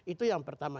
itu yang pertama